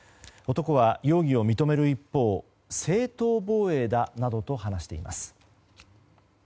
男は容疑を認める一方正当防衛だなどと話しています。